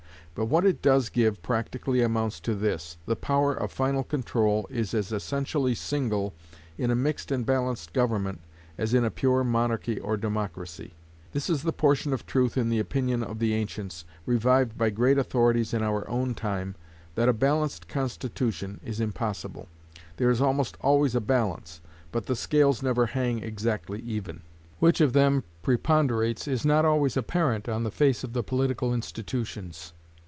But what it does give practically amounts to this: the power of final control is as essentially single, in a mixed and balanced government, as in a pure monarchy or democracy. This is the portion of truth in the opinion of the ancients, revived by great authorities in our own time, that a balanced constitution is impossible. There is almost always a balance, but the scales never hang exactly even. Which of them preponderates is not always apparent on the face of the political institutions.